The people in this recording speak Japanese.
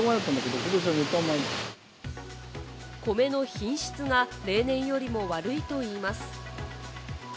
米の品質が例年よりも悪いといいます。